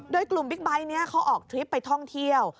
โดยกลุ่มบิ๊กไบท์นี้เขาออกทริปไปท่องเที่ยว